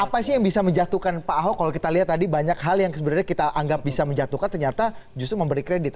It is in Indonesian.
apa sih yang bisa menjatuhkan pak ahok kalau kita lihat tadi banyak hal yang sebenarnya kita anggap bisa menjatuhkan ternyata justru memberi kredit